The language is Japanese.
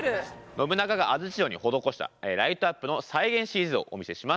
信長が安土城に施したライトアップの再現ＣＧをお見せします。